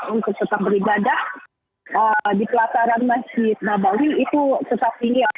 untuk tetap beribadah di pelataran masjid mabal itu tetap ini asura seperti yang bisa dilihat saat